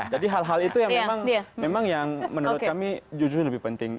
jadi hal hal itu memang yang menurut kami jujur lebih penting